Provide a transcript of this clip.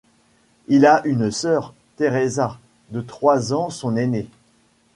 Il a une sœur, Teresa, de trois ans son aînée.